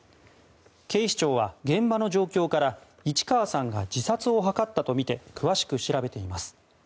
警視庁は現場の状況から市川さんが自殺を図ったとみて詳しく調べています。